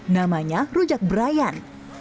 namanya rujak brian